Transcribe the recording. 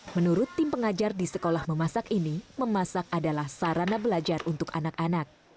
menurut tim pengajar di sekolah memasak ini memasak adalah sarana belajar untuk anak anak